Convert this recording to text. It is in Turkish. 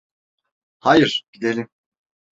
Hayır, gidelim.